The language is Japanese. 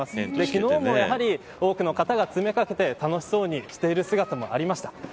昨日もやはり多くの方が詰め掛けて楽しそうにしている姿もありました。